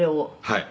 「はい。